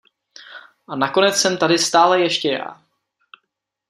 A nakonec jsem tady stále ještě já.